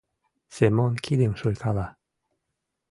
— Семон кидым шуйкала.